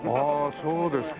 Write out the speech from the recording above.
そうですか。